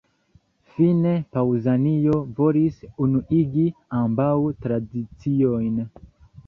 Fine, Paŭzanio volis unuigi ambaŭ tradiciojn.